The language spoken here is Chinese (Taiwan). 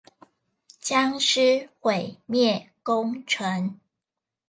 殭屍毀滅工程